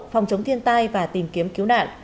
phòng chống thiên tai và tìm kiếm cứu nạn